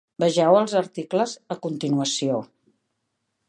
Vegeu els articles a continuació.